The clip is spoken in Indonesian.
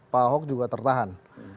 pak ahok juga tertahan